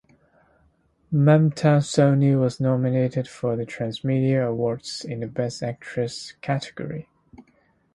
Mamta Soni was nominated for the Transmedia Awards in the Best Actress category.